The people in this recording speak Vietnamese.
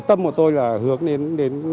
tâm của tôi là hướng đến